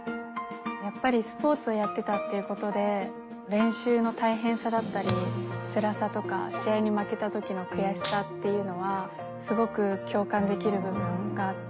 やっぱりスポーツをやってたっていうことで練習の大変さだったりつらさとか試合に負けた時の悔しさっていうのはすごく共感できる部分があって。